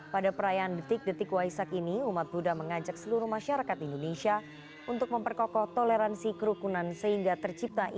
pada perayaan detik detik waisak ini umat buddha mengajak seluruh masyarakat indonesia untuk memperkokoh toleransi kerukunan sehingga tercipta ideologi